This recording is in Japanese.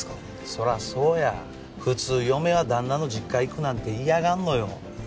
そらそうや普通嫁は旦那の実家行くなんて嫌がんのよ